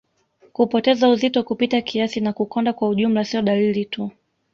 Kupoteza uzito kupita kiasi na kukonda kwa ujumla sio dalili tu